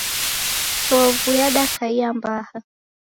Chovu yadakaia mbaha